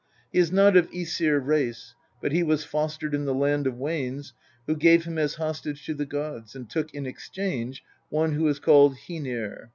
He is not of Msir race, but he was fostered in the land of Wanes, who gave him as hostage to the gods, and took in exchange one who is called Hcenir.